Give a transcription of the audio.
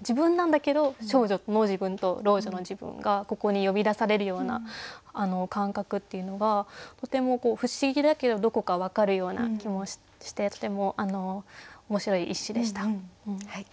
自分なんだけど少女の自分と老女の自分がここに呼び出されるような感覚っていうのがとても不思議だけどどこか分かるような気もしてとても面白い一首でした。